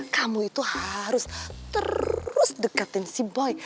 kamu itu harus terus deketin si boy